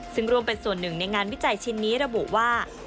ซึ่งร่วมเป็นส่วนหนึ่งในงานวิจัยชิ้นนี้ระบุว่า